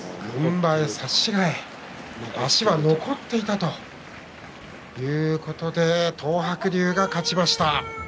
足は残っていたということで東白龍が勝ちました。